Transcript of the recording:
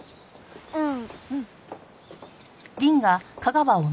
うん。